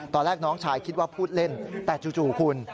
ตอนแรกน้องชายคิดว่าพูดเล่นแต่จู่คุณ